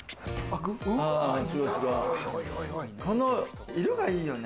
この色がいいよね。